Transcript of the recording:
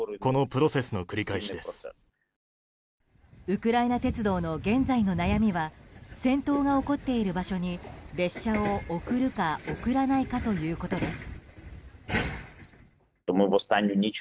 ウクライナ鉄道の現在の悩みは戦闘が起こっている場所に列車を送るか送らないかということです。